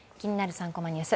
３コマニュース」